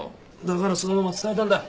だからそのまま伝えたんだ。